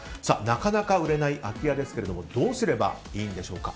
なかなか売れない空き家ですがどうすればいいんでしょうか。